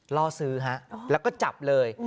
ล่อซื้อฮะแล้วก็จับเลย